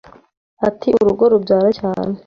Ati Urugo rubyara cyane